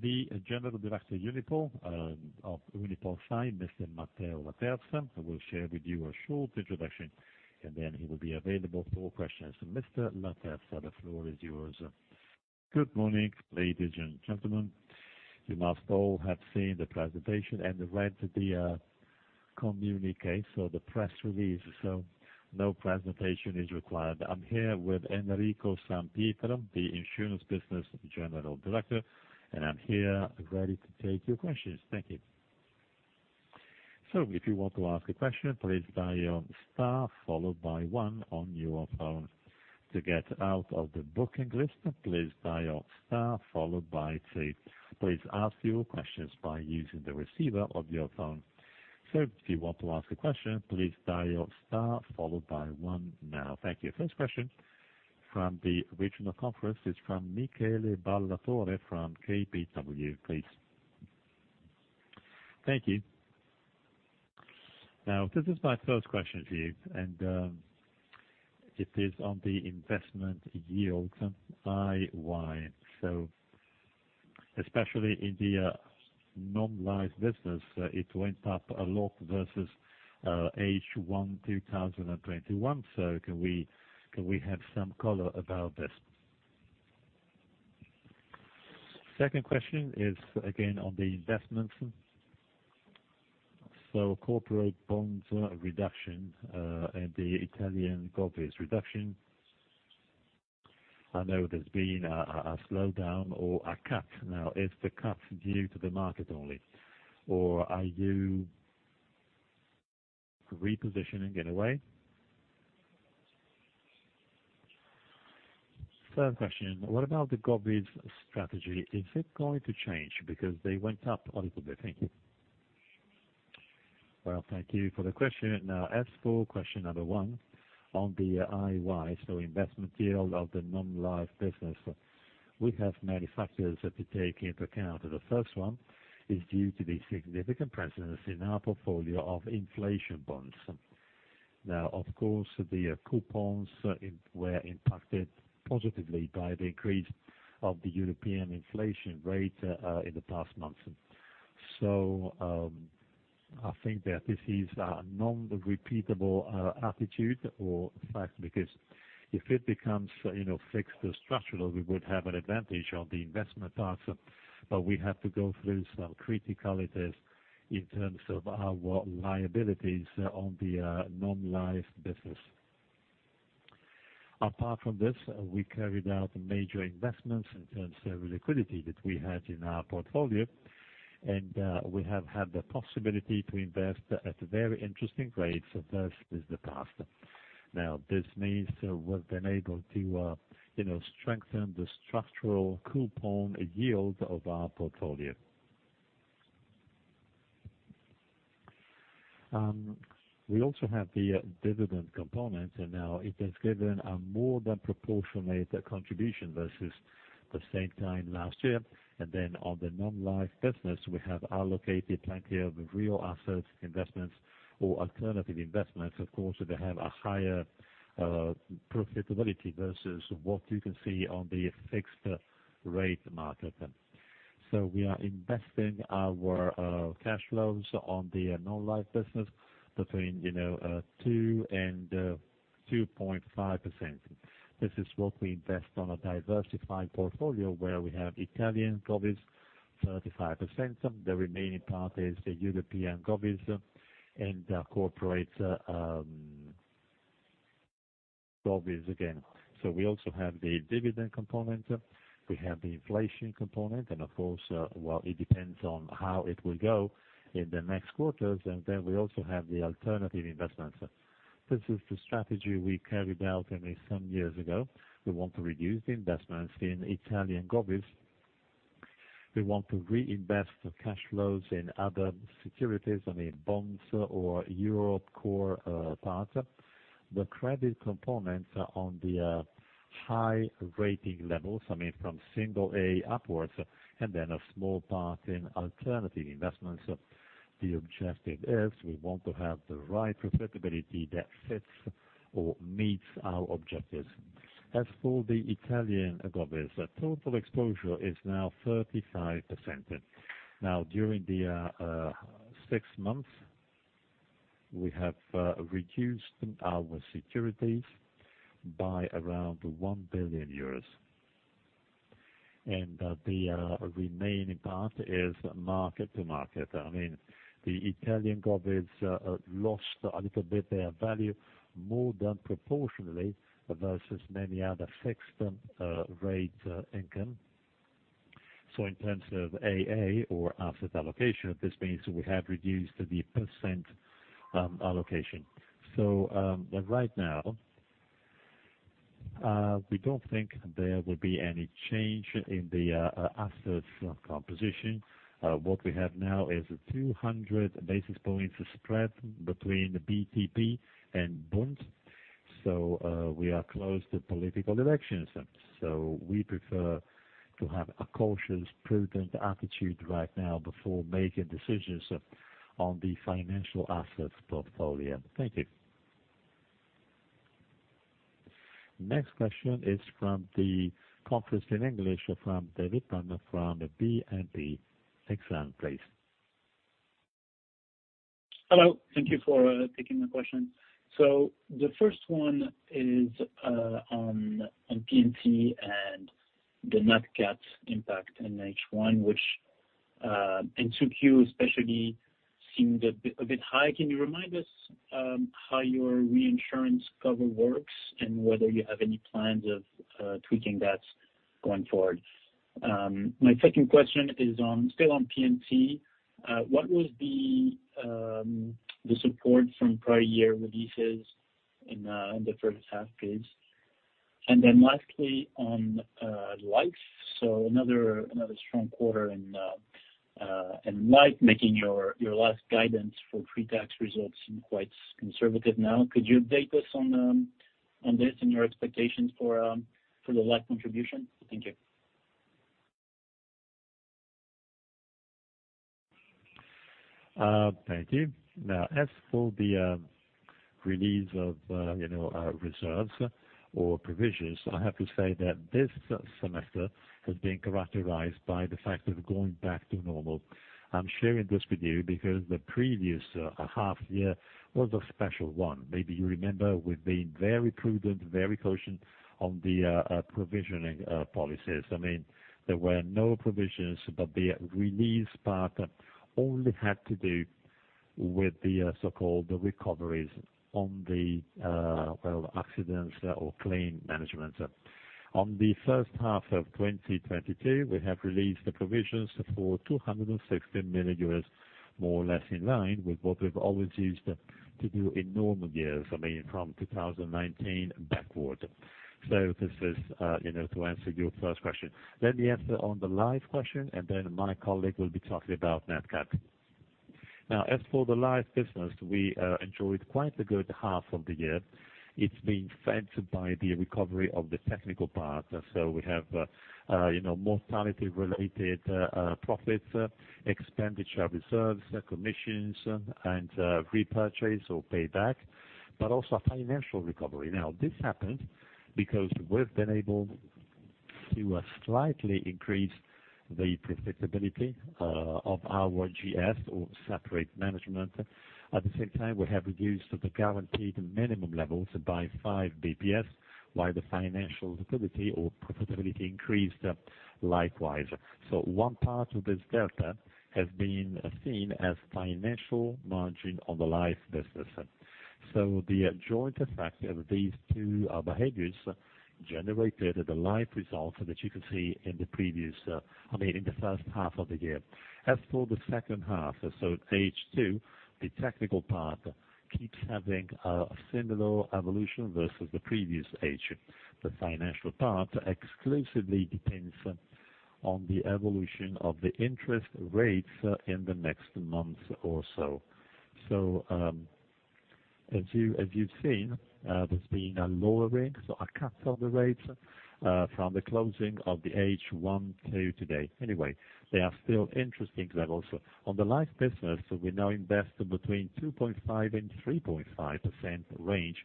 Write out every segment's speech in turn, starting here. The General Director of Unipol, of UnipolSai, Mr. Matteo Laterza, will share with you a short introduction, and then he will be available for questions. Mr. Laterza, the floor is yours. Good morning, ladies and gentlemen. You must all have seen the presentation and read the communiqué, so the press release, so no presentation is required. I'm here with Enrico San Pietro, the Insurance General Manager, and I'm here ready to take your questions. Thank you. If you want to ask a question, please dial star followed by one on your phone. To get out of the booking list, please dial star followed by three. Please ask your questions by using the receiver of your phone. If you want to ask a question, please dial star followed by one now. Thank you. First question from the regional conference is from Michele Ballatore from KBW, please. Thank you. Now, this is my first question to you, and, it is on the investment yield IY. Especially in the Non-Life business, it went up a lot versus H1 2021. Can we have some color about this? Second question is again on the investments. Corporate bonds reduction, and the Italian governments reduction. I know there's been a slowdown or a cut. Now is the cut due to the market only or are you repositioning in a way? Third question. What about the governments strategy? Is it going to change because they went up a little bit? Thank you. Well, thank you for the question. Now as for question number one on the IY, so investment yield of the Non-Life business, we have many factors to take into account. The first one is due to the significant presence in our portfolio of inflation bonds. Now, of course, the coupons were impacted positively by the increase of the European inflation rate in the past months. I think that this is a non-repeatable attitude or fact, because if it becomes, you know, fixed or structural, we would have an advantage on the investment part, but we have to go through some criticalities in terms of our liabilities on the Non-Life business. Apart from this, we carried out major investments in terms of liquidity that we had in our portfolio, and we have had the possibility to invest at very interesting rates versus the past. Now, this means we've been able to, you know, strengthen the structural coupon yield of our portfolio. We also have the dividend component, and now it has given a more than proportionate contribution versus the same time last year. On the Non-Life business, we have allocated plenty of real asset investments or alternative investments. Of course, they have a higher profitability versus what you can see on the fixed rate market. We are investing our cash flows on the Non-Life business between, you know, 2% and 2.5%. This is what we invest on a diversified portfolio, where we have Italian governments 35%. The remaining part is the European governments and corporate governments again. We also have the dividend component, we have the inflation component, and of course, well, it depends on how it will go in the next quarters. We also have the alternative investments. This is the strategy we carried out only some years ago. We want to reduce the investments in Italian governments. We want to reinvest the cash flows in other securities, I mean, bonds or European core part. The credit components are on the high rating levels, I mean, from single A upwards, and then a small part in alternative investments. The objective is we want to have the right profitability that fits or meets our objectives. As for the Italian governments, total exposure is now 35%. Now, during the six months, we have reduced our securities by around EUR 1 billion. The remaining part is mark to market. I mean, the Italian governments lost a little bit of their value more than proportionally versus many other fixed-rate income. In terms of AA or asset allocation, this means we have reduced the percent allocation. Right now, we don't think there will be any change in the assets composition. What we have now is 200 basis points spread between the BTP and Bund. We are close to political elections, so we prefer to have a cautious, prudent attitude right now before making decisions on the financial assets portfolio. Thank you. Next question is from the conference in English from David from BNP Paribas Exane, please. Hello. Thank you for taking my question. The first one is on P&C and the nat cat impact in H1, which in 2Q especially seemed a bit high. Can you remind us how your reinsurance cover works and whether you have any plans of tweaking that going forward? My second question is still on P&C. What was the support from prior year releases in the first half please? Then lastly on life. Another strong quarter in life, making your last guidance for pre-tax results seem quite conservative now. Could you update us on this and your expectations for the life contribution? Thank you. Thank you. Now, as for the release of, you know, reserves or provisions, I have to say that this semester has been characterized by the fact of going back to normal. I'm sharing this with you because the previous half year was a special one. Maybe you remember we've been very prudent, very caution on the provisioning policies. I mean, there were no provisions, but the release part only had to do with the so-called recoveries on the well, accidents or claim management. On the first half of 2022, we have released the provisions for 260 million euros, more or less in line with what we've always used to do in normal years, I mean, from 2019 backward. This is, you know, to answer your first question. The answer on the life question, and then my colleague will be talking about nat cat. Now, as for the Life business, we enjoyed quite a good half of the year. It's been fed by the recovery of the technical part. We have you know, mortality related profits, expenditure reserves, commissions and repurchase or payback, but also a financial recovery. Now, this happened because we've been able to slightly increase the profitability of our GS or separate management. At the same time, we have reduced the guaranteed minimum levels by 5 basis points, while the financial liquidity or profitability increased likewise. One part of this delta has been seen as financial margin on the Life business. The joint effect of these two behaviors generated the life results that you can see in the previous, I mean, in the first half of the year. As for the second half, the technical part keeps having a similar evolution versus the previous half. The financial part exclusively depends on the evolution of the interest rates in the next month or so. As you've seen, there's been a lower rate, so a cut of the rates, from the closing of the H1 to today. Anyway, they are still interesting levels. On the Life business, we now invest between 2.5% and 3.5% range.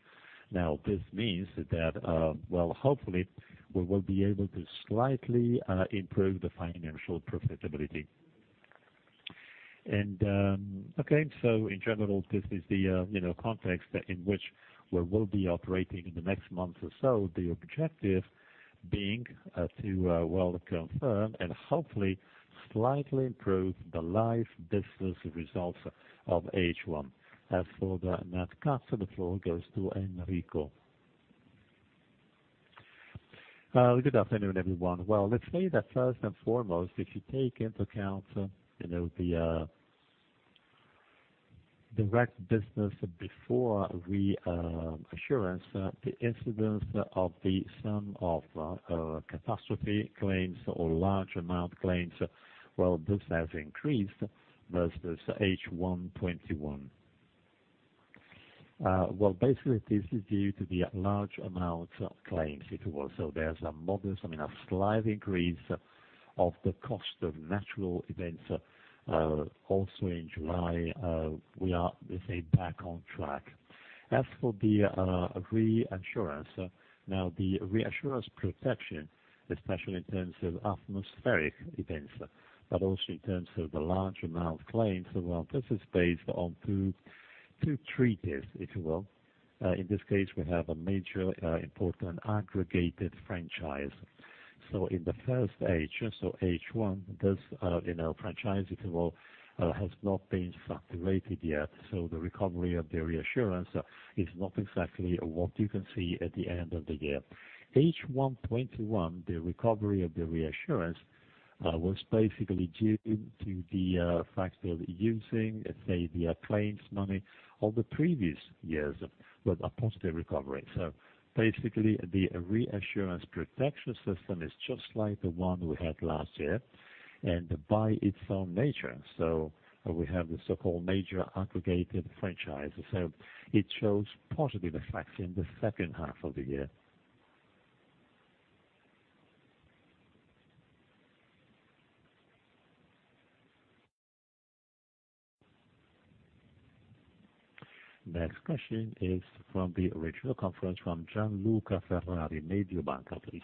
Now this means that, well, hopefully we will be able to slightly improve the financial profitability. Okay, in general, this is, you know, the context in which we will be operating in the next month or so. The objective being to well confirm and hopefully slightly improve the Life business results of H1. As for the nat cat, the floor goes to Enrico. Good afternoon, everyone. Well, let's say that first and foremost, if you take into account, you know, the direct business before reinsurance, the incidence of the sum of catastrophe claims or large amount claims, well, this has increased versus H1 2021. Well, basically, this is due to the large amount claims, if you will. There's a modest, I mean, a slight increase of the cost of natural events, also in July, we are, let's say, back on track. As for the reinsurance. Now, the reinsurance protection, especially in terms of atmospheric events, but also in terms of the large amount claims. Well, this is based on two treaties, if you will. In this case, we have a major, important aggregated franchise. In the first H1, this, you know, franchise, if you will, has not been activated yet. The recovery of the reinsurance is not exactly what you can see at the end of the year. H1 2021, the recovery of the reinsurance was basically due to the fact they're using, let's say, the claims money of the previous years with a positive recovery. Basically, the reinsurance protection system is just like the one we had last year and by its own nature, we have the so-called major aggregated franchise. It shows positively the fact in the second half of the year. Next question is from the original conference from Gian Luca Ferrari, Mediobanca, please.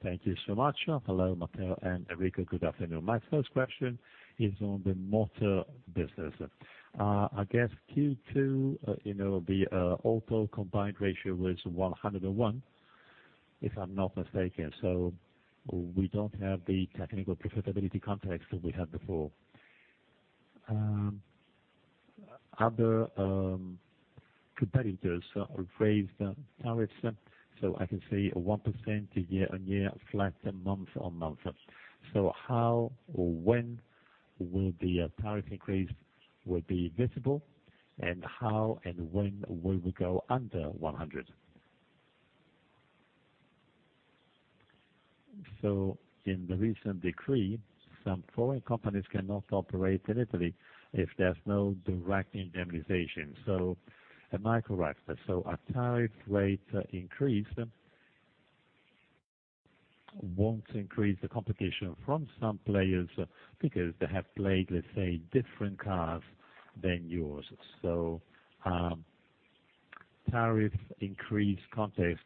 Thank you so much. Hello, Matteo and Enrico. Good afternoon. My first question is on the Motor business. I guess Q2, you know, auto combined ratio was 101%, if I'm not mistaken. We don't have the technical profitability context that we had before. Other competitors have raised the tariffs, so I can say 1% year-over-year, flat month-over-month. How or when will the tariff increase be visible, and how and when will we go under 100%? In the recent decree, some foreign companies cannot operate in Italy if there's no direct indemnization. Am I correct? A tariff rate increase won't increase the competition from some players because they have played, let's say, different cards than yours. Tariff increase context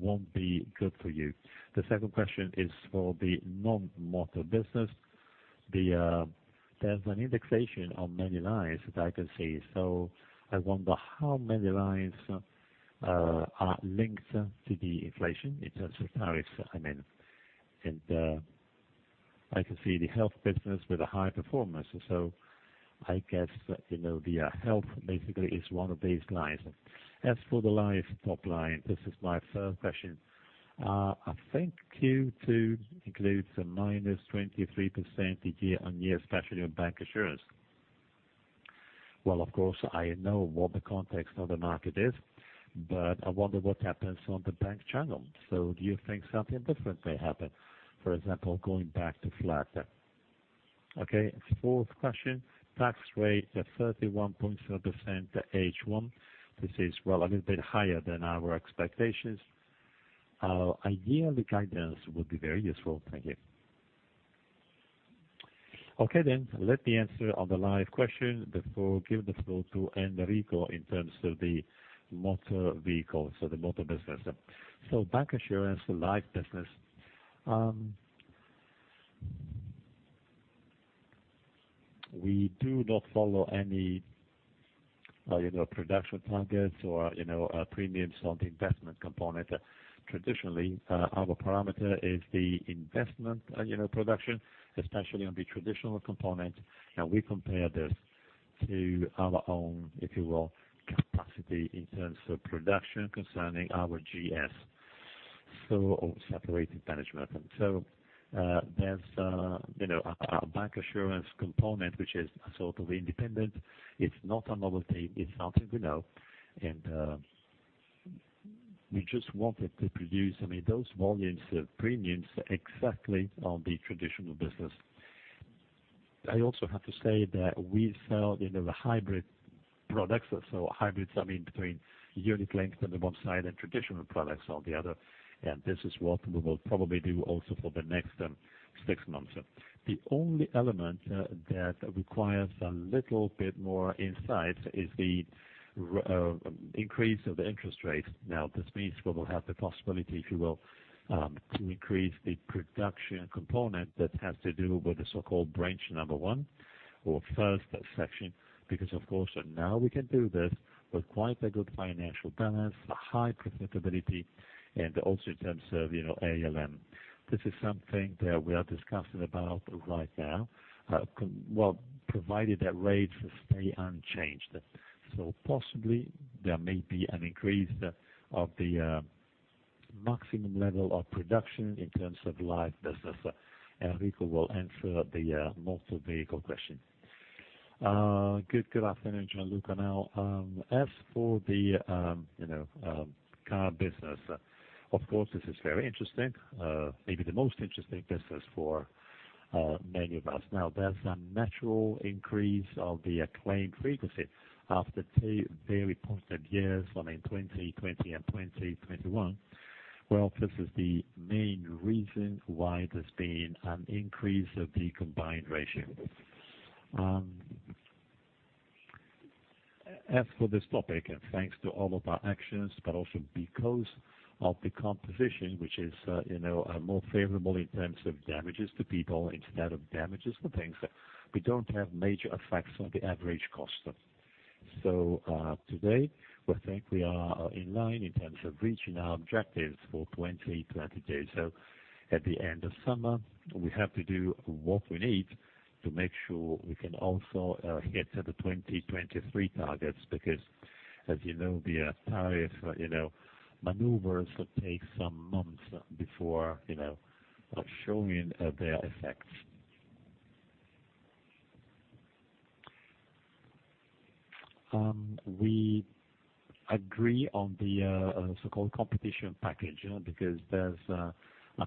won't be good for you. The second question is for the Non-Motor business. There's an indexation on many lines that I can see. I wonder how many lines are linked to the inflation in terms of tariffs, I mean. I can see the health business with a high performance, so I guess, you know, the health basically is one of these lines. As for the life top line, this is my third question. I think Q2 includes a -23% year-over-year, especially on Bancassurance. Well, of course, I know what the context of the market is, but I wonder what happens on the Bancassurance channel. Do you think something different may happen, for example, going back to flat? Okay, fourth question. Tax rate of 31.3% H1. This is, well, a little bit higher than our expectations. Ideally, guidance would be very useful. Thank you. Okay, let me answer on the life question before giving the floor to Enrico in terms of the motor vehicles, so the Motor business. Bancassurance, Life business, we do not follow any, you know, production targets or, you know, premiums on the investment component. Traditionally, our parameter is the investment, you know, production, especially on the traditional component, and we compare this to our own, if you will, capacity in terms of production concerning our GS. Separated management. There's, you know, a Bancassurance component, which is sort of independent. It's not a novelty, it's something we know. We just wanted to produce, I mean, those volumes of premiums exactly on the traditional business. I also have to say that we sell, you know, the hybrid products. Hybrids, I mean between unit-linked on the one side and traditional products on the other, and this is what we will probably do also for the next six months. The only element that requires a little bit more insight is the increase of the interest rates. This means we will have the possibility, if you will, to increase the production component that has to do with the so-called branch number one or first section, because of course, now we can do this with quite a good financial balance, a high profitability, and also in terms of, you know, ALM. This is something that we are discussing about right now. Provided that rates stay unchanged. Possibly there may be an increase of the maximum level of production in terms of Life business. Enrico will answer the motor vehicle question. Good afternoon, Gian Luca. Now, as for the car business, of course, this is very interesting, maybe the most interesting business for many of us. Now there's a natural increase of the claim frequency after two very positive years from 2020 and 2021. Well, this is the main reason why there's been an increase of the combined ratio. As for this topic, thanks to all of our actions, but also because of the composition, which is, you know, more favorable in terms of damages to people instead of damages to things, we don't have major effects on the average customer. Today, we think we are in line in terms of reaching our objectives for 2022. At the end of summer, we have to do what we need to make sure we can also get to the 2023 targets because, as you know, the tariff, you know, maneuvers take some months before, you know, showing their effects. We agree on the so-called competition package because there's a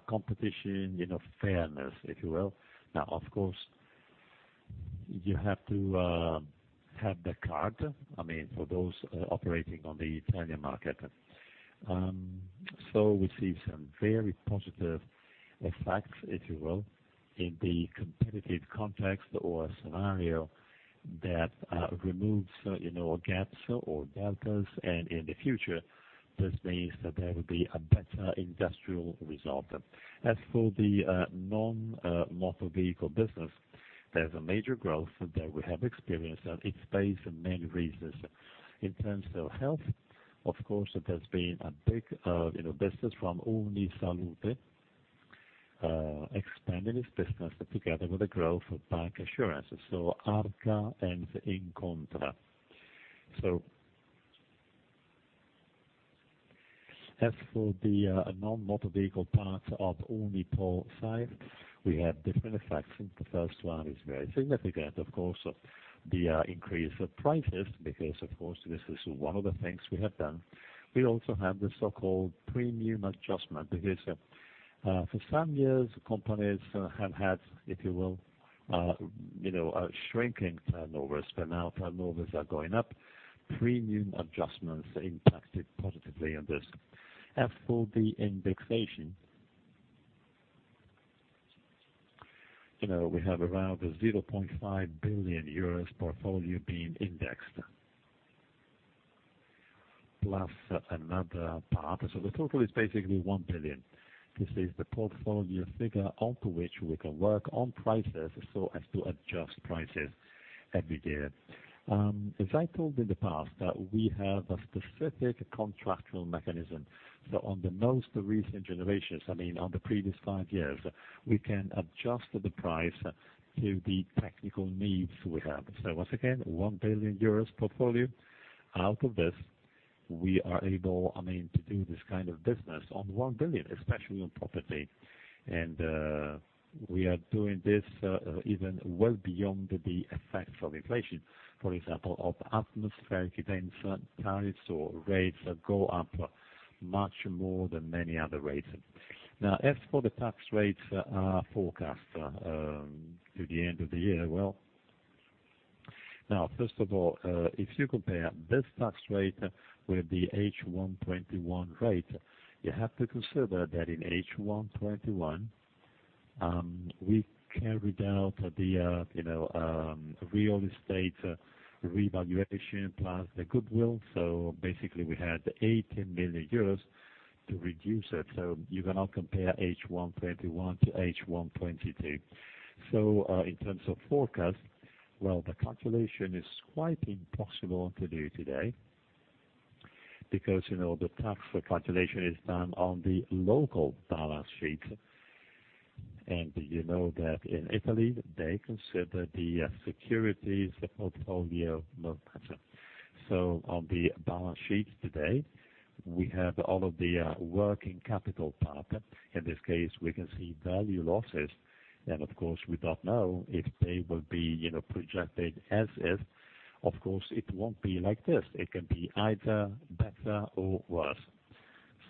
competition, you know, fairness, if you will. Now, of course, you have to have the card, I mean, for those operating on the Italian market. We see some very positive effects, if you will, in the competitive context or scenario that removes, you know, gaps or deltas, and in the future this means that there will be a better industrial result. As for the Non-Motor vehicle business, there's a major growth that we have experienced, and it's based on many reasons. In terms of health, of course, there's been a big, you know, business from UniSalute, expanding its business together with the growth of Bancassurance, so Arca and Incontra. As for the Non-Motor vehicle part of UnipolSai, we have different effects. The first one is very significant, of course, the increase of prices, because of course, this is one of the things we have done. We also have the so-called premium adjustment. Because for some years companies have had, if you will, you know, shrinking turnovers. Now turnovers are going up. Premium adjustments impacted positively on this. As for the indexation. You know, we have around 0.5 billion euros portfolio being indexed. Plus another part. The total is basically 1 billion. This is the portfolio figure onto which we can work on prices so as to adjust prices every year. As I told in the past, we have a specific contractual mechanism. On the most recent generations, I mean, on the previous five years, we can adjust the price to the technical needs we have. Once again, 1 billion euros portfolio. Out of this, we are able, I mean, to do this kind of business on 1 billion, especially on property. We are doing this even well beyond the effects of inflation, for example, of atmospheric events, tariffs or rates that go up much more than many other rates. Now as for the tax rates forecast to the end of the year. Well, now first of all, if you compare this tax rate with the H1 2021 rate, you have to consider that in H1 2021, you know, we carried out the real estate revaluation plus the goodwill, so basically we had 80 million euros to reduce it. You cannot compare H1 2021 to H1 2022. In terms of forecast, well, the calculation is quite impossible to do today because, you know, the tax calculation is done on the local balance sheet. You know that in Italy they consider the securities portfolio not at market. On the balance sheet today, we have all of the working capital part. In this case, we can see value losses. Of course, we don't know if they will be, you know, projected as is. Of course it won't be like this. It can be either better or worse.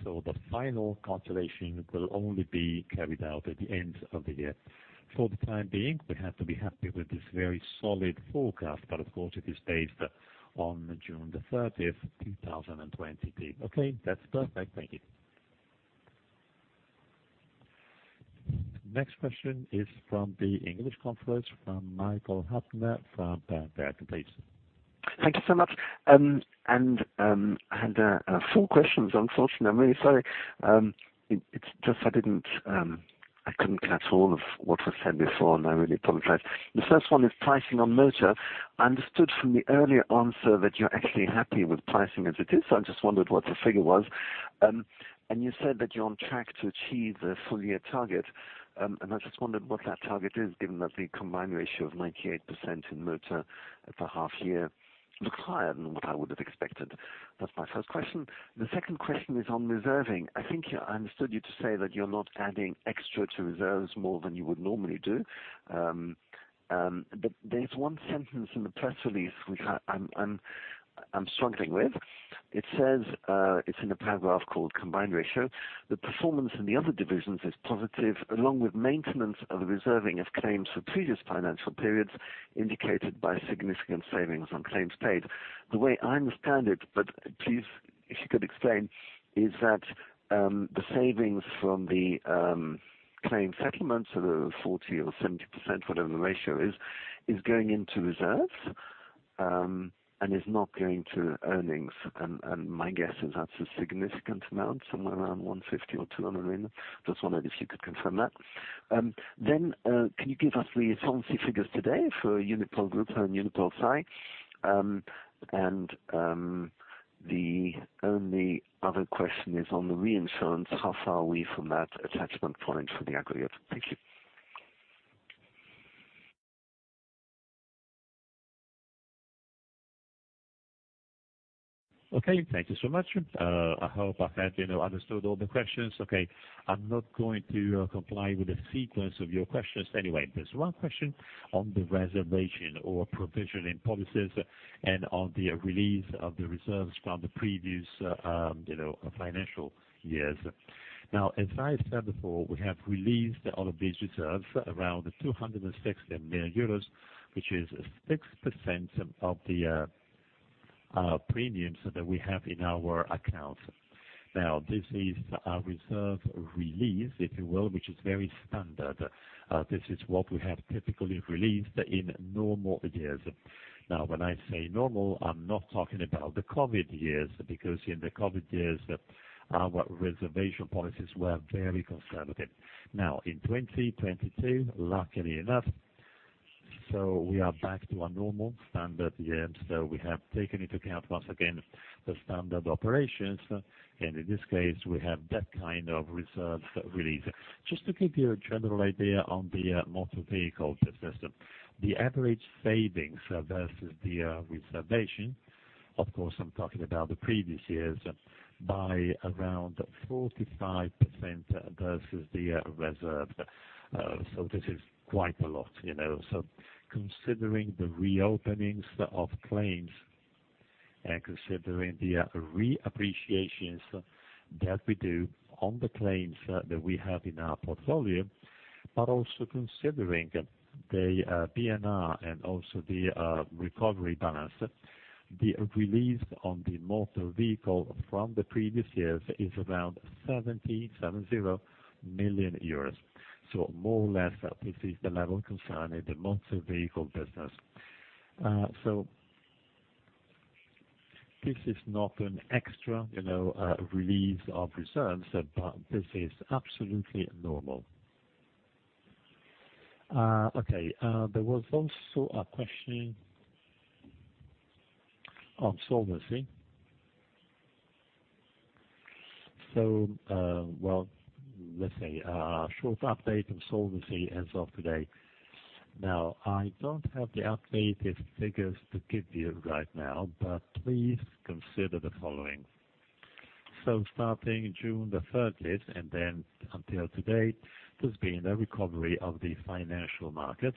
The final calculation will only be carried out at the end of the year. For the time being, we have to be happy with this very solid forecast. Of course, it is based on June 30th, 2022. Okay, that's perfect. Thank you. Next question is from the English conference from Michael Huttner from Bank of America, please. Thank you so much. I had four questions, unfortunately. I'm really sorry. It's just I couldn't catch all of what was said before, and I really apologize. The first one is pricing on motor. I understood from the earlier answer that you're actually happy with pricing as it is. I just wondered what the figure was. You said that you're on track to achieve the full year target. I just wondered what that target is given that the combined ratio of 98% in motor for half year looks higher than what I would have expected. That's my first question. The second question is on reserving. I think I understood you to say that you're not adding extra to reserves more than you would normally do. There's one sentence in the press release which I'm struggling with. It says, it's in a paragraph called combined ratio. "The performance in the other divisions is positive, along with maintenance of reserving of claims for previous financial periods, indicated by significant savings on claims paid." The way I understand it, but please, if you could explain, is that, the savings from the, claim settlements or the 40% or 70%, whatever the ratio is going into reserves, and is not going to earnings. My guess is that's a significant amount, somewhere around 150 million or 200 million. Just wondered if you could confirm that. Can you give us the solvency figures today for Unipol Gruppo and UnipolSai? The only other question is on the reinsurance. How far are we from that attachment point for the aggregate? Thank you. Okay, thank you so much. I hope I have, you know, understood all the questions. Okay. I'm not going to comply with the sequence of your questions anyway. There's one question on the reserves or provision in policies and on the release of the reserves from the previous, you know, financial years. Now, as I said before, we have released all of these reserves, around 260 million euros, which is 6% of the premiums that we have in our accounts. Now this is a reserve release, if you will, which is very standard. This is what we have typically released in normal years. Now when I say normal, I'm not talking about the COVID years, because in the COVID years, our reserving policies were very conservative. Now in 2022, luckily enough, we are back to our normal standard year, and we have taken into account once again the standard operations, and in this case, we have that kind of reserve release. Just to give you a general idea on the motor vehicle system, the average savings versus the reservation, of course, I'm talking about the previous years, by around 45% versus the reserve. This is quite a lot, you know. Considering the reopenings of claims and considering the reappreciations that we do on the claims that we have in our portfolio, but also considering the IBNR and also the recovery balance, the release on the motor vehicle from the previous years is around 77 million euros. More or less, this is the level concerning the Motor Vehicle business. This is not an extra, you know, release of reserves, but this is absolutely normal. Okay. There was also a question on solvency. Well, let's say a short update on solvency as of today. Now, I don't have the updated figures to give you right now, but please consider the following. Starting June 3rd, and then until today, there's been a recovery of the financial markets.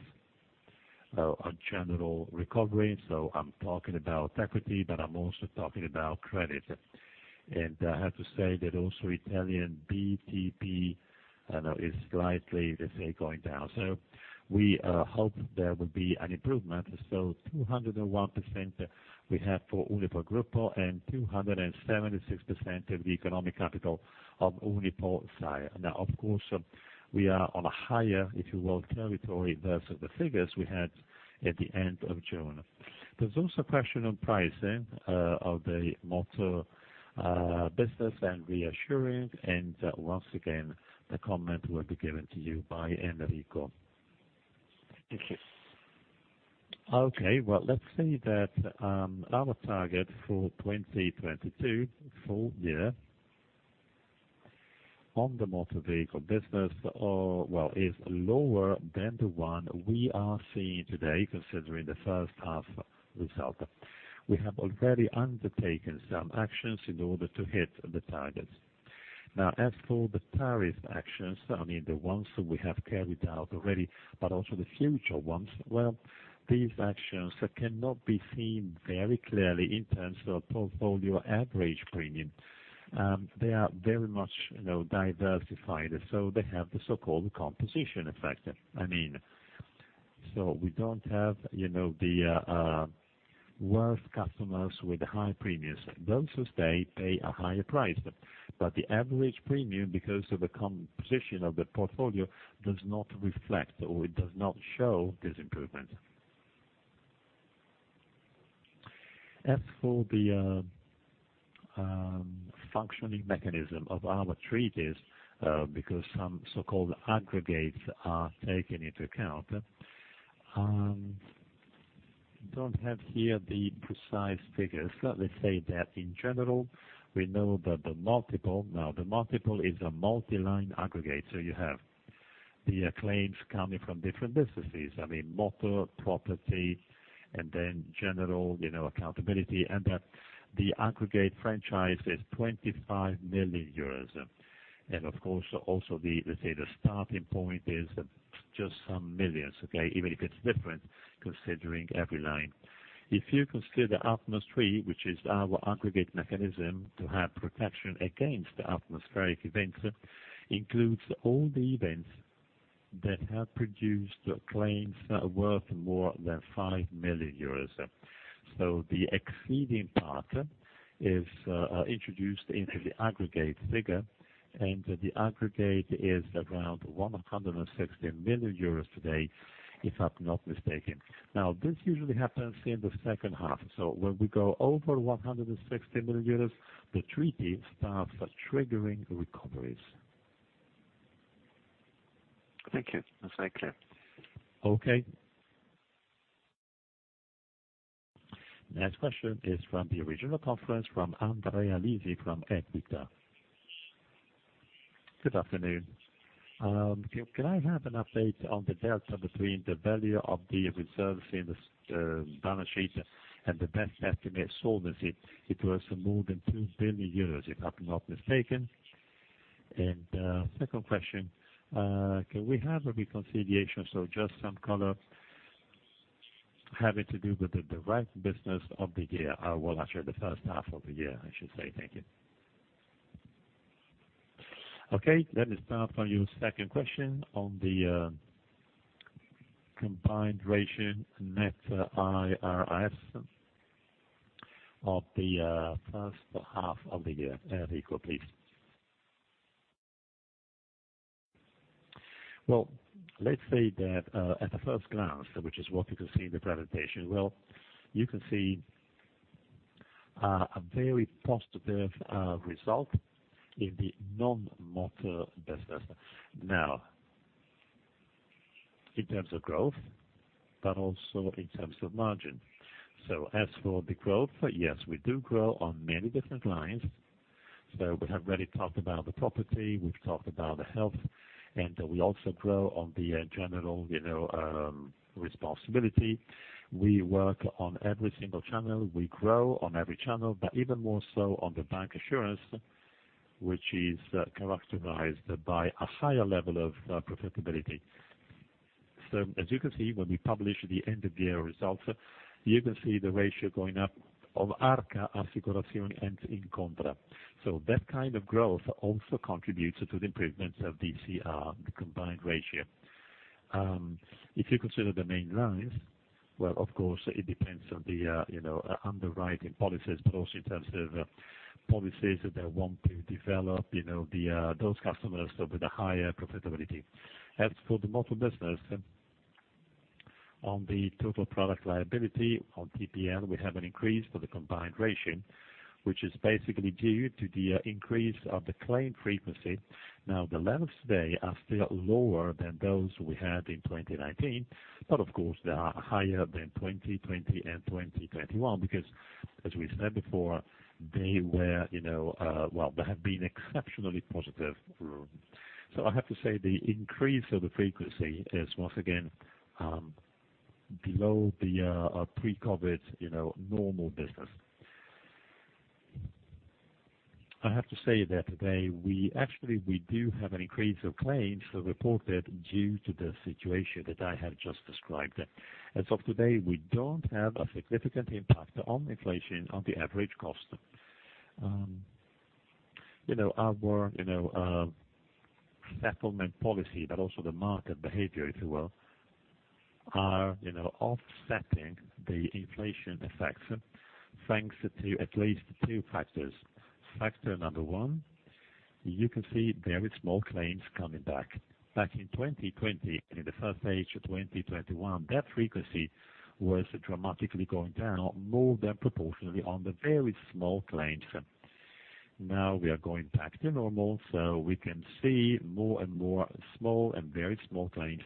A general recovery. I'm talking about equity, but I'm also talking about credit. And I have to say that also Italian BTP, I know, is slightly, let's say, going down. We hope there will be an improvement. 201% we have for Unipol Gruppo and 276% of the economic capital of UnipolSai. Now, of course, we are on a higher, if you will, territory versus the figures we had at the end of June. There's also a question on pricing, of the motor, business and reinsurance, and once again, the comment will be given to you by Enrico. Thank you. Okay. Well, let's say that, our target for 2022 full year on the Motor Vehicle business, well, is lower than the one we are seeing today, considering the first half result. We have already undertaken some actions in order to hit the targets. Now, as for the tariff actions, I mean, the ones that we have carried out already, but also the future ones, well, these actions cannot be seen very clearly in terms of portfolio average premium. They are very much, you know, diversified, so they have the so-called composition effect. I mean, we don't have, you know, the worst customers with high premiums. Those who stay pay a higher price. The average premium, because of the composition of the portfolio, does not reflect or it does not show this improvement. As for the functioning mechanism of our treaties, because some so-called aggregates are taken into account, I don't have here the precise figures. Let me say that in general, we know that the multiple, now the multiple is a multi-line aggregate. You have the claims coming from different businesses, I mean, motor, property, and then general, you know, accountability, and that the aggregate franchise is 25 million euros. Of course, also the, let's say, the starting point is just some millions, okay, even if it's different considering every line. If you consider Atmos 3, which is our aggregate mechanism to have protection against the atmospheric events, includes all the events that have produced claims worth more than 5 million euros. The exceeding part is introduced into the aggregate figure, and the aggregate is around 160 million euros today, if I'm not mistaken. Now, this usually happens in the second half. When we go over 160 million, the treaty starts triggering recoveries. Thank you. That's very clear. Okay. Next question is from the original conference from Andrea Lisi from Equita. Good afternoon. Can I have an update on the delta between the value of the reserves in the balance sheet and the Best Estimate solvency? It was more than 2 billion euros, if I'm not mistaken. Second question, can we have a reconciliation, so just some color having to do with the direct business of the year? Well, actually the first half of the year, I should say. Thank you. Okay, let me start on your second question on the combined ratio net of reinsurance of the first half of the year. Enrico, please. Well, let's say that at a first glance, which is what you can see in the presentation, well, you can see a very positive result in the Non-Motor business. Now, in terms of growth, but also in terms of margin. As for the growth, yes, we do grow on many different lines. We have already talked about the property, we've talked about the health, and we also grow on the general, you know, responsibility. We work on every single channel. We grow on every channel, but even more so on the Bancassurance, which is characterized by a higher level of profitability. As you can see, when we publish the end of year results, you can see the ratio going up of Arca Assicurazioni and Incontra. That kind of growth also contributes to the improvements of the CR, the combined ratio. If you consider the main lines, well, of course, it depends on the, you know, underwriting policies, but also in terms of policies that they want to develop, you know, the those customers with a higher profitability. As for the Motor business, on the third-party liability, on TPL, we have an increase for the combined ratio, which is basically due to the increase of the claim frequency. Now, the levels today are still lower than those we had in 2019, but of course, they are higher than 2020 and 2021, because as we said before, they were, you know, well, they have been exceptionally positive. I have to say the increase of the frequency is once again, below the pre-COVID, you know, normal business. I have to say that today we actually, we do have an increase of claims reported due to the situation that I have just described. As of today, we don't have a significant impact on inflation, on the average cost. You know, our settlement policy, but also the market behavior, if you will, are, you know, offsetting the inflation effects, thanks to at least two factors. Factor number one, you can see very small claims coming back. Back in 2020, and in the first half of 2021, that frequency was dramatically going down more than proportionally on the very small claims. Now we are going back to normal, so we can see more and more small and very small claims.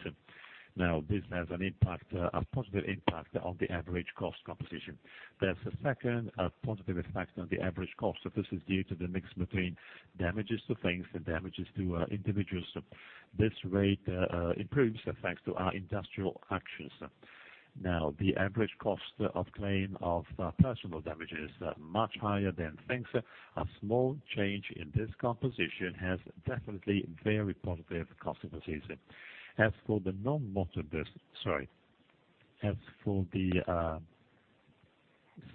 Now, this has an impact, a positive impact on the average cost composition. There's a second positive effect on the average cost. This is due to the mix between damages to things and damages to individuals. This rate improves, thanks to our industrial actions. Now, the average cost of claim of personal damages are much higher than things. A small change in this composition has definitely very positive consequences. As for the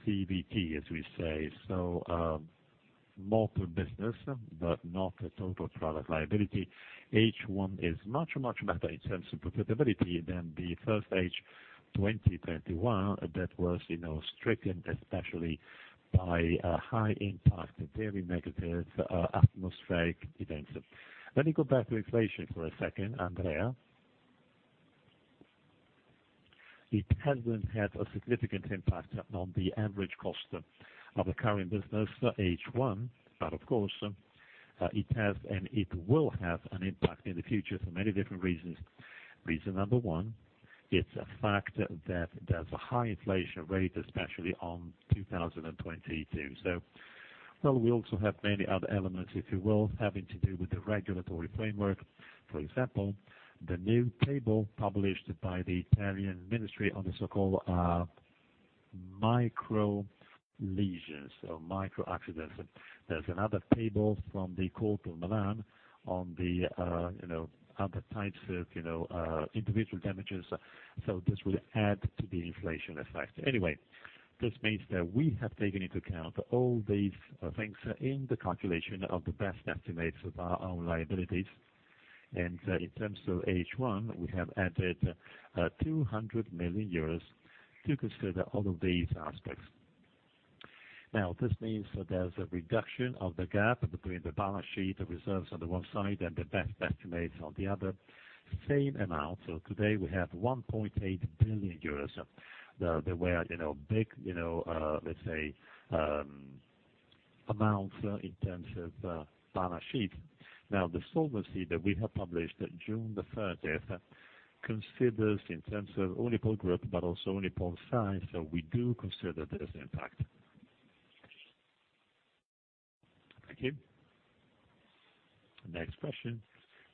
CVT, as we say, Motor business, but not the total third party liability, H1 is much, much better in terms of profitability than the first half 2021. That was, you know, stricken especially by a high impact, very negative atmospheric events. Let me go back to inflation for a second, Andrea. It hasn't had a significant impact on the average cost of the current business H1, but of course, it has and it will have an impact in the future for many different reasons. Reason number one, it's a fact that there's a high inflation rate, especially in 2022. Well, we also have many other elements, if you will, having to do with the regulatory framework. For example, the new table published by the Italian Ministry of Health on the so-called micro lesions or micro accidents. There's another table from the Court of Milan on the, you know, other types of, you know, individual damages. This will add to the inflation effect. Anyway, this means that we have taken into account all these, things in the calculation of the best estimates of our own liabilities. In terms of H1, we have added 200 million euros to consider all of these aspects. Now, this means there's a reduction of the gap between the balance sheet, the reserves on the one side and the best estimates on the other. Same amount, so today we have 1.8 billion euros. There were, you know, big, you know, let's say, amounts in terms of, balance sheet. Now, the solvency that we have published June 30th considers in terms of Unipol Group, but also UnipolSai. We do consider this impact. Thank you. Next question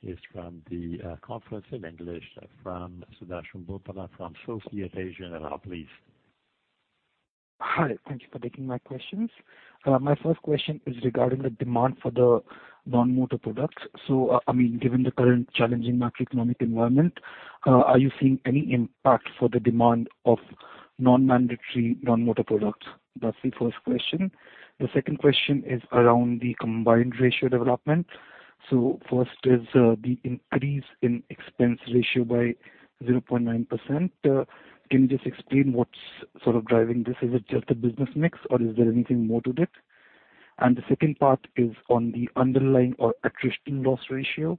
is from the conference in English, from Sudarshan Bhutra from Société Générale. Please. Hi, thank you for taking my questions. My first question is regarding the demand for the Non-Motor products. I mean, given the current challenging macroeconomic environment, are you seeing any impact for the demand of non-mandatory Non-Motor products. That's the first question. The second question is around the combined ratio development. First is, the increase in expense ratio by 0.9%. Can you just explain what's sort of driving this? Is it just a business mix or is there anything more to that? The second part is on the underlying attrition loss ratio.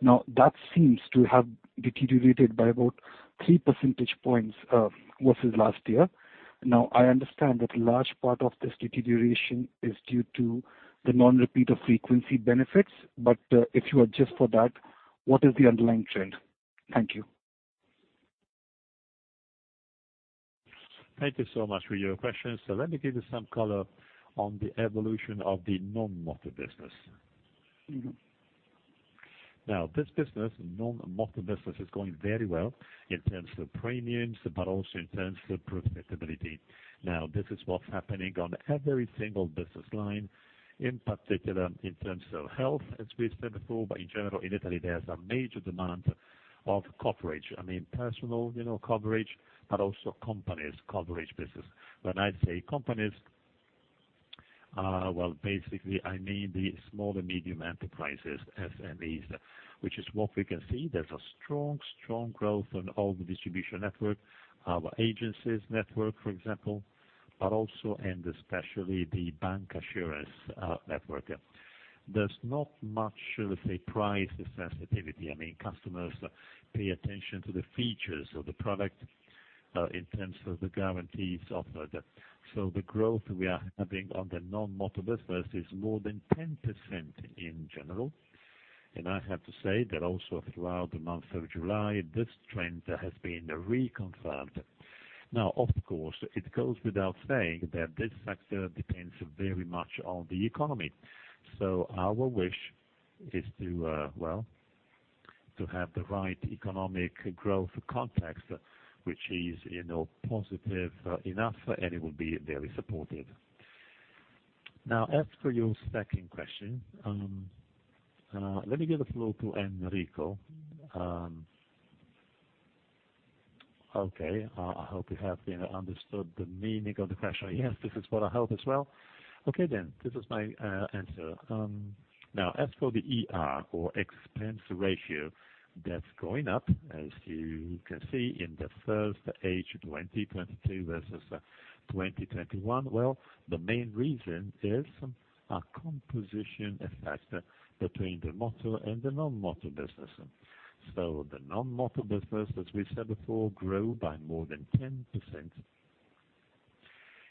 Now, that seems to have deteriorated by about 3 percentage points, versus last year. Now, I understand that a large part of this deterioration is due to the non-repeat of frequency benefits. If you adjust for that, what is the underlying trend? Thank you. Thank you so much for your questions. Let me give you some color on the evolution of the Non-Motor business. Now, this business, Non-Motor business, is going very well in terms of premiums, but also in terms of profitability. Now, this is what's happening on every single business line, in particular in terms of health, as we said before, but in general, in Italy, there's a major demand of coverage. I mean, personal, you know, coverage, but also companies coverage business. When I say companies, well, basically, I mean the small and medium enterprises, SMEs, which is what we can see. There's a strong growth on all the distribution network, our agencies network, for example, but also and especially the Bancassurance network. Yeah. There's not much, let's say, price sensitivity. I mean, customers pay attention to the features of the product, in terms of the guarantees offered. The growth we are having on the Non-Motor business is more than 10% in general. I have to say that also throughout the month of July, this trend has been reconfirmed. Now, of course, it goes without saying that this factor depends very much on the economy. Our wish is to, well, to have the right economic growth context, which is, you know, positive enough, and it will be very supportive. Now, as for your second question, let me give the floor to Enrico. I hope you have understood the meaning of the question. Yes, this is for help as well. Okay. This is my answer. Now, as for the ER or expense ratio, that's going up, as you can see in the first half 2022 versus 2021. Well, the main reason is a composition effect between the motor and the Non-Motor business. The Non-Motor business, as we said before, grew by more than 10%.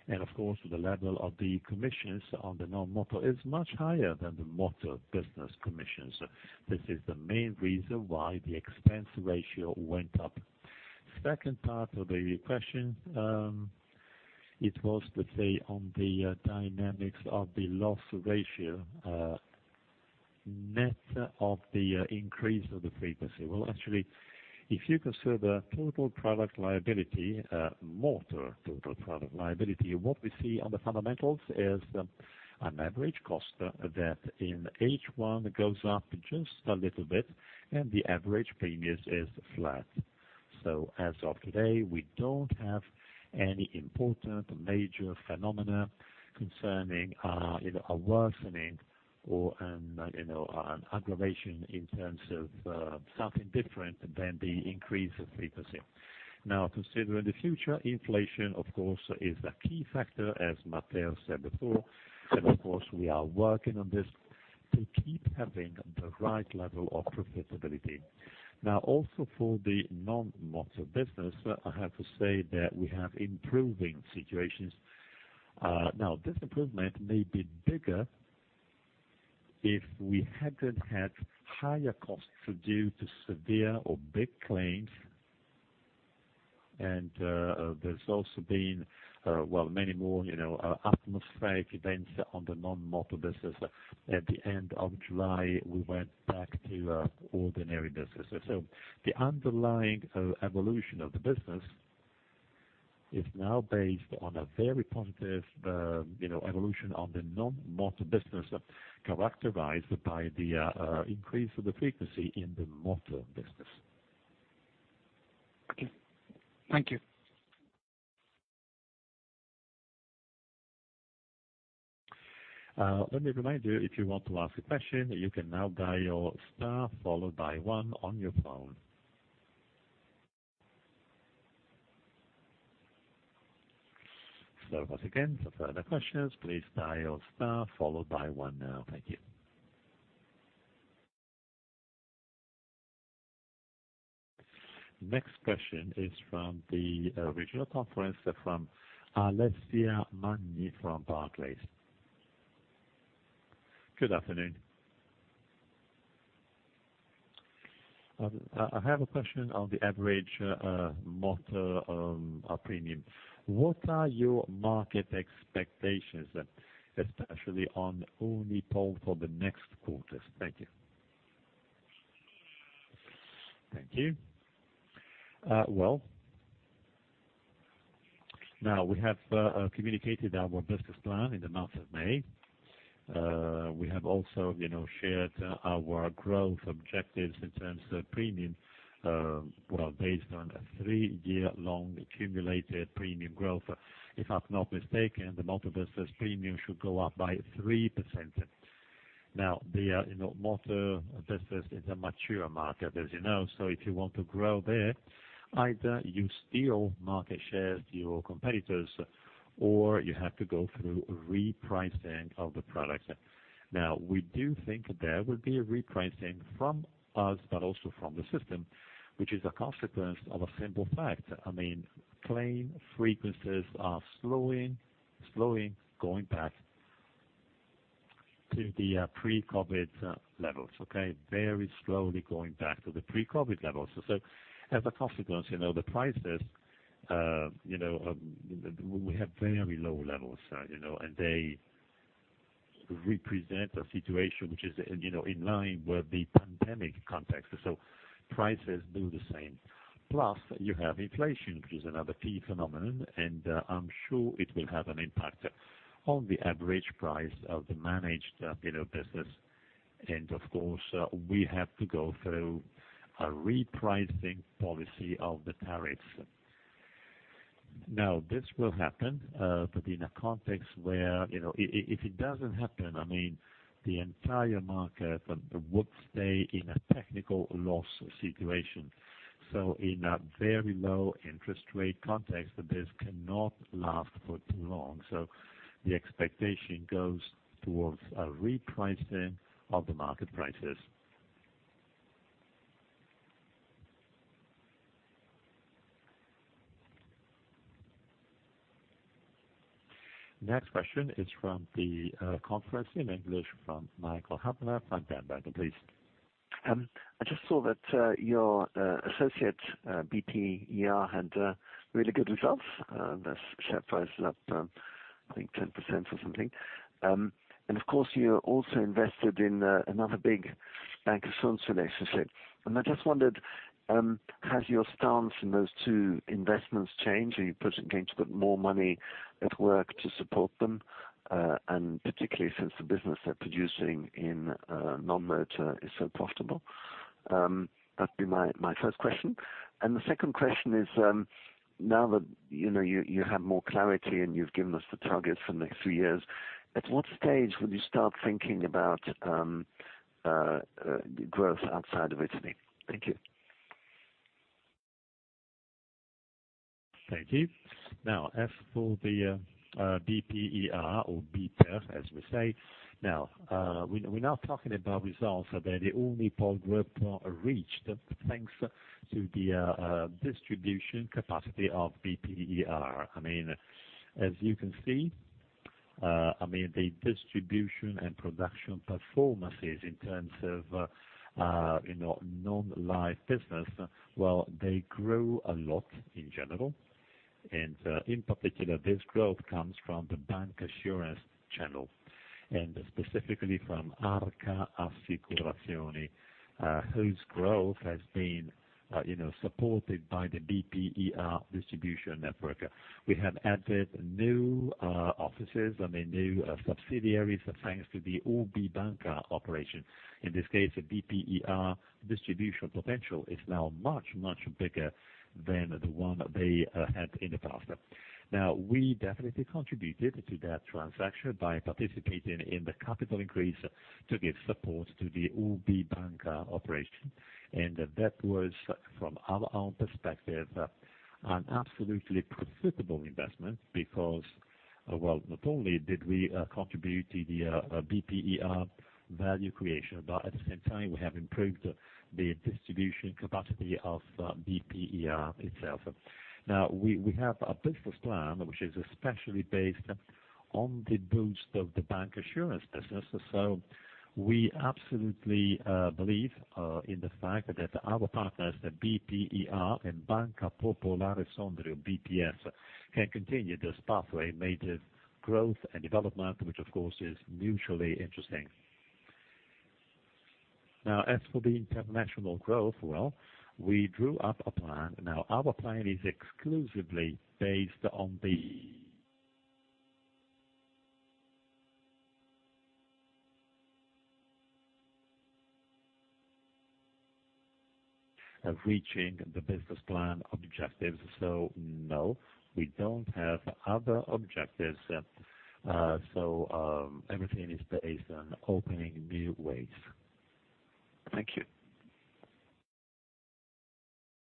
Of course, the level of the commissions on the Non-Motor is much higher than the Motor business commissions. This is the main reason why the expense ratio went up. Second part of the question, it was, let's say, on the dynamics of the loss ratio, net of the increase of the frequency. Well, actually, if you consider third-party liability, motor third-party liability, what we see on the fundamentals is an average cost that in H1 goes up just a little bit, and the average premium is flat. As of today, we don't have any important major phenomena concerning, you know, a worsening or you know, an aggravation in terms of something different than the increase of frequency. Now, considering the future, inflation, of course, is a key factor, as Matteo said before. Of course, we are working on this to keep having the right level of profitability. Now, also for the Non-Motor business, I have to say that we have improving situations. Now, this improvement may be bigger if we hadn't had higher costs due to severe or big claims. There's also been many more, you know, atmospheric events on the Non-Motor business. At the end of July, we went back to ordinary business. The underlying evolution of the business is now based on a very positive, you know, evolution on the Non-Motor business characterized by the increase of the frequency in the Motor business. Okay. Thank you. Let me remind you, if you want to ask a question, you can now dial star followed by one on your phone. Once again, for further questions, please dial star followed by one now. Thank you. Next question is from the regional conference, from Alessia Magni from Barclays. Good afternoon. I have a question on the average motor premium. What are your market expectations, especially on Unipol for the next quarters? Thank you. Thank you. Well, now we have communicated our business plan in the month of May. We have also, you know, shared our growth objectives in terms of premium, well based on a three-year-long accumulated premium growth. If I'm not mistaken, the Motor business premium should go up by 3%. Now, the, you know, Motor business is a mature market, as you know. So if you want to grow there, either you steal market shares to your competitors, or you have to go through repricing of the products. Now, we do think there will be a repricing from us, but also from the system, which is a consequence of a simple fact. I mean, claim frequencies are slowing, going back to the pre-COVID levels. Okay? Very slowly going back to the pre-COVID levels. As a consequence, you know, the prices, you know, we have very low levels, you know, and they represent a situation which is, you know, in line with the pandemic context. Prices do the same. Plus, you have inflation, which is another key phenomenon, and I'm sure it will have an impact on the average price of the managed, you know, business. Of course, we have to go through a repricing policy of the tariffs. Now, this will happen, but in a context where, you know, if it doesn't happen, I mean, the entire market would stay in a technical loss situation. In a very low interest rate context, this cannot last for too long. The expectation goes towards a repricing of the market prices. Next question is from the conference in English from Michael Huttner from Bank of America, please. I just saw that your associate BPER had really good results. The share price is up, I think 10% or something. Of course, you're also invested in another big Bancassurance relationship. I just wondered, has your stance in those two investments changed? Are you going to put more money at work to support them, and particularly since the business they're producing in Non-Motor is so profitable? That'd be my first question. The second question is, now that you have more clarity and you've given us the targets for the next three years, at what stage would you start thinking about growth outside of Italy? Thank you. Thank you. Now, as for the BPER, as we say. Now, we're talking about results that the Unipol Group reached, thanks to the distribution capacity of BPER. I mean, as you can see, I mean, the distribution and production performances in terms of, you know, Non-Life business, well, they grow a lot in general. In particular, this growth comes from the Bancassurance channel, and specifically from Arca Assicurazioni, whose growth has been, you know, supported by the BPER distribution network. We have added new offices, I mean, new subsidiaries, thanks to the UBI Banca operation. In this case, BPER distribution potential is now much bigger than the one they had in the past. Now, we definitely contributed to that transaction by participating in the capital increase to give support to the UBI Banca operation. That was, from our own perspective, an absolutely profitable investment because, well, not only did we contribute to the BPER value creation, but at the same time, we have improved the distribution capacity of BPER itself. Now, we have a business plan which is especially based on the boost of the Bancassurance business. We absolutely believe in the fact that our partners, BPER and Banca Popolare di Sondrio, BPS, can continue this pathway made growth and development, which of course is mutually interesting. Now, as for the international growth, well, we drew up a plan. Now, our plan is exclusively based on reaching the business plan objectives. No, we don't have other objectives. Everything is based on opening new ways. Thank you.